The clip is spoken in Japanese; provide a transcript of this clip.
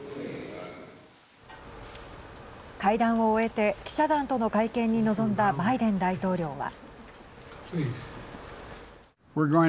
会談を終えて記者団との会見に臨んだバイデン大統領は。